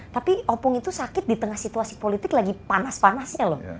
tapi opung itu sakit di tengah situasi politik lagi panas panasnya loh